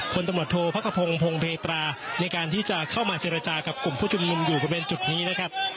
ตำรวจโทษพระกระพงศพงเพตราในการที่จะเข้ามาเจรจากับกลุ่มผู้ชุมนุมอยู่บริเวณจุดนี้นะครับ